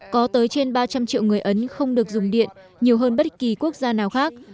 có tới trên ba trăm linh triệu người ấn không được dùng điện nhiều hơn bất kỳ quốc gia nào khác